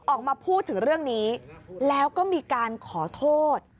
ออกมาพูดถึงเรื่องนี้แล้วก็มีการขอโทษ